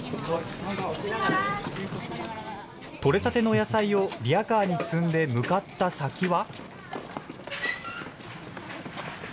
取れたての野菜をリヤカーに積んで向かった先は。